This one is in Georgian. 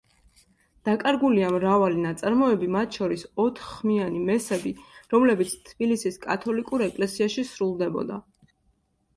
დაკარგულია მრავალი ნაწარმოები, მათ შორის ოთხხმიანი მესები, რომლებიც თბილისის კათოლიკურ ეკლესიაში სრულდებოდა.